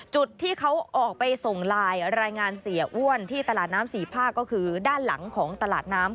จุดที่เขาออกไปส่งไลน์รายงานเสียอ้วนที่ตลาดน้ำสี่ภาคก็คือด้านหลังของตลาดน้ำ